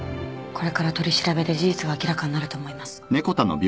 これから取り調べで事実が明らかになると思います。